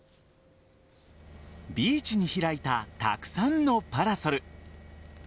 ビーチに開いたたくさんのパラソル。